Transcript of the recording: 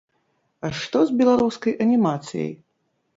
А што з беларускай анімацыяй?